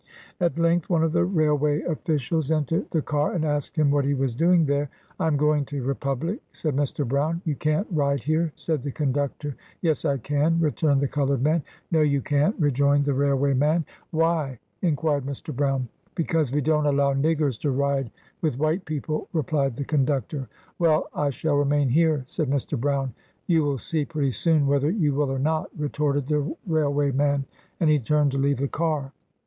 At length, one of the railway officials entered the car, and asked him what he was doing there. "I am going to Republic," said Mr. Brown. "You can't ride here," said the conductor. " Yes I can," returned the colored man. "No you can't," rejoined the rail way man. "Why?" inquired Mr. Brown. "Be cause we don't allow niggers to ride with white peo ple," replied the conductor. "Well, I shall remain here," said Mr. Brown. "You will see, pretty soon, whether you will or not," retorted the railway man, as he turned to leave the car.